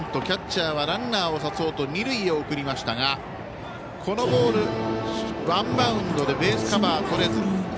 キャッチャーはランナーを刺そうと二塁へ送りましたがこのボール、ワンバウンドでベースカバー、とれず。